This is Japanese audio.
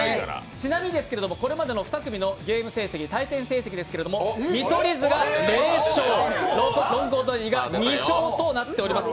ちなみにこれまでの２組の対戦成績ですけれども、見取り図が０勝、ロングコートダディが２勝となっております。